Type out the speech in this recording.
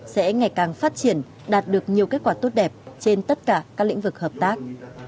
sẽ ngày càng phát triển đạt được nhiều kết quả tốt đẹp trên tất cả các lĩnh vực hợp tác